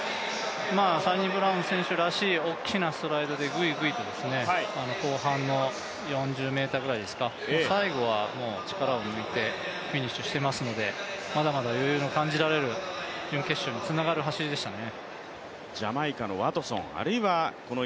サニブラウン選手らしい、大きなストライドでぐいぐいと後半の４０ｍぐらいですか最後はもう力を抜いてフィニッシュしていますので、まだまだ余裕の感じられる準決勝につながる走りでしたね。